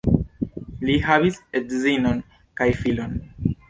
Li havis edzinon kaj filon.